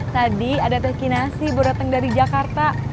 tadi ada teki nasi baru datang dari jakarta